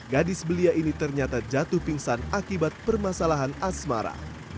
gadis belia ini ternyata jatuh pingsan akibat permasalahan asmara